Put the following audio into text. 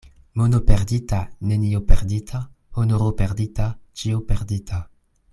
Mono perdita, nenio perdita; honoro perdita, ĉio perdita.